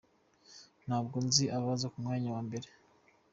Ntabwo nzi abaza ku mwanya wa mbere